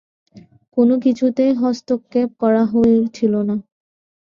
কোনো কিছুতেই হস্তক্ষেপ করা হয়েছিল না।